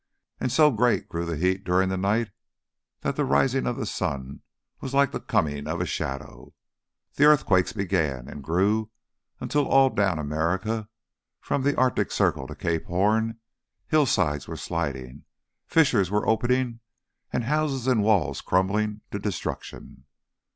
And so great grew the heat during the night that the rising of the sun was like the coming of a shadow. The earthquakes began and grew until all down America from the Arctic Circle to Cape Horn, hillsides were sliding, fissures were opening, and houses and walls crumbling to destruction.